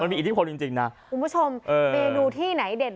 มันมีอิทธิพลจริงจริงน่ะคุณผู้ชมเมดูที่ไหนเด็ด